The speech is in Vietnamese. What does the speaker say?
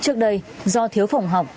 trước đây do thiếu phòng học